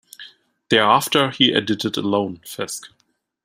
Thereafter, he edited alone fasc.